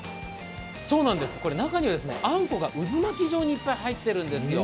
中にはあんこが渦巻き状にいっぱい入ってるんですよ。